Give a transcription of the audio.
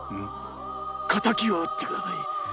敵を討ってください！